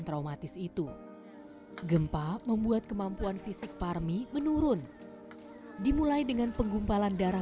traumatis itu gempa membuat kemampuan fisik parmi menurun dimulai dengan penggumpalan darah